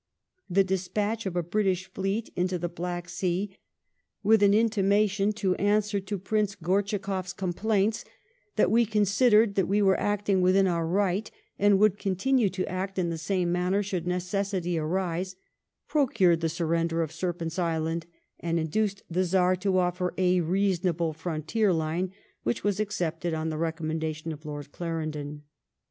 The despatch of a British fleet into the Black Sea, with an intimation in answer to Prince 12 / 178 LIFE OF VISCOUNT PALMEE8T0N. OorUofaakoflTs complaints, that we considered that we were acting within our right, and would continue to act in the same manner should necessity arise, procured the surrender of Serpent's Island, and induced the Czar to offer a reasonable frontier line, which was accepted on the recommendation of Lord Clarendon.